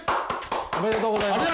おめでとうございます。